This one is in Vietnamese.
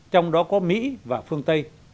trong đó có mỹ và phương tây